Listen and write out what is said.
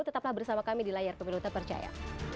tetaplah bersama kami di layar pemilu terpercaya